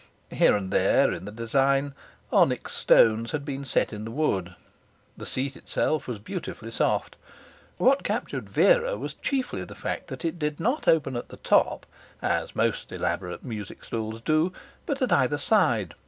Here and there in the design onyx stones had been set in the wood. The seat itself was beautifully soft. What captured Vera was chiefly the fact that it did not open at the top, as most elaborate music stools do, but at either side.